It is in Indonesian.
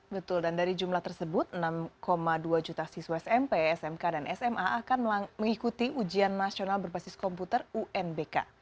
betul dan dari jumlah tersebut enam dua juta siswa smp smk dan sma akan mengikuti ujian nasional berbasis komputer unbk